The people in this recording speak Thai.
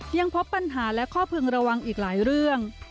ยังพบปัญหาและข้อพึงระวังอีกหลายเรื่อง